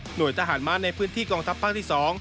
โดยทหารม้าในพื้นที่กองทัพภาคที่๒